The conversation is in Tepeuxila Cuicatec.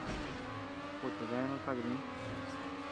Ku ta deanu taka di.